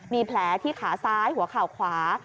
มีแผลที่ขาซ้ายหัวเข่าขวา